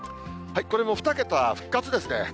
これも２桁、復活ですね。